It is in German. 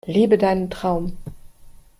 Lebe deinen Traum!